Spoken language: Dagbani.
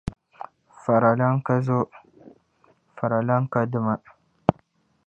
Faralana ka zo, faralana ka dima.